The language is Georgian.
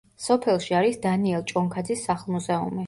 სოფელში არის დანიელ ჭონქაძის სახლ-მუზეუმი.